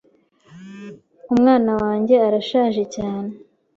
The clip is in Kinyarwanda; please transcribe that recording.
Umwana wange arashaje cyane